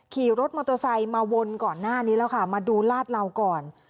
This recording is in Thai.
ขี่รถมอเตอร์ไซค์มาวนก่อนหน้านี้แล้วค่ะมาดูลาดเหลาก่อน